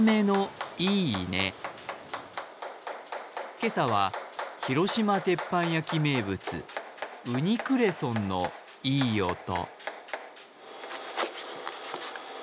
今朝は広島鉄板焼き名物、ウニクレソンのいい音。